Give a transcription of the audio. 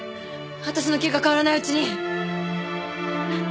私の気が変わらないうちに。